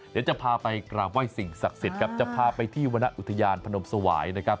เดี๋ยวจะพาไปกราบไหว้สิ่งศักดิ์สิทธิ์ครับจะพาไปที่วรรณอุทยานพนมสวายนะครับ